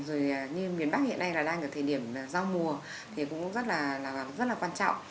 rồi như miền bắc hiện nay là đang ở thời điểm giao mùa thì cũng rất là quan trọng